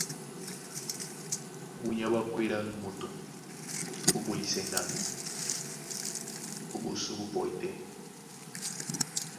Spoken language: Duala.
Búnyá ɓwá kwédí á nú moto ó ɓolisɛ ŋgando a ɓosó ɓó pɔí tɛ́,